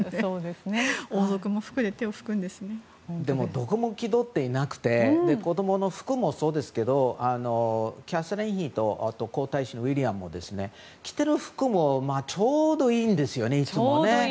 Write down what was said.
どこも気取っていなくて子供の服もそうですけどキャサリン妃と皇太子のウィリアムは着ている服もちょうどいいんですよ、いつも。